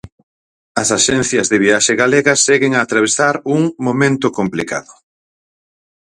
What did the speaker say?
As axencias de viaxe galegas seguen a atravesar un "momento complicado".